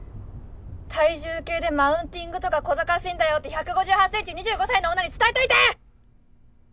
体重計でマウンティングとか小ざかしいんだよって１５８ｃｍ２５歳の女に伝えといて！